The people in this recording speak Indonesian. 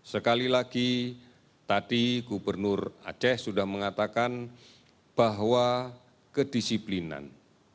sekali lagi tadi gubernur aceh sudah mengatakan bahwa kedisiplinan